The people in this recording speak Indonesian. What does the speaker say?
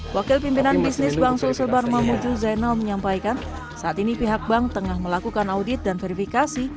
wakil pimpinan bisnis bang sulsebar mamuju zainal menyampaikan saat ini pihak bank tengah melakukan audit dan verifikasi